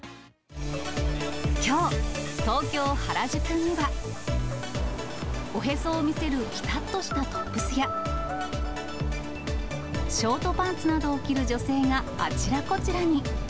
きょう、東京・原宿には、おへそを見せるぴたっとしたトップスや、ショートパンツなどを着る女性があちらこちらに。